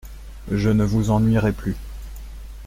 Je ne vous ennuierai plus.